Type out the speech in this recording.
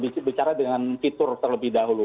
bicara dengan fitur terlebih dahulu